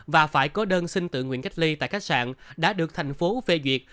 và phải có đơn xin tự nguyện cách ly tại khách sạn đã được thành phố phê duyệt